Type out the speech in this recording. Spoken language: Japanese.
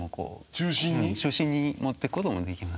中心に持っていくこともできますね。